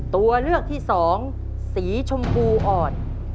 ตัวเลือกที่สองสีชมพูอ่อน